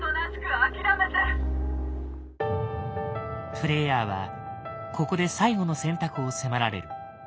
プレイヤーはここで最後の選択を迫られる。